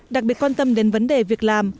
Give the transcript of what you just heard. đặc biệt quan tâm đến vấn đề việc làm